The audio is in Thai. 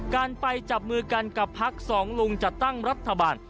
การไปจับมือกันกับพักสองลุงจัดตั้งรัฐบาล